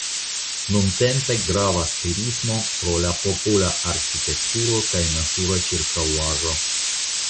Nuntempe gravas turismo pro la popola arkitekturo kaj natura ĉirkaŭaĵo.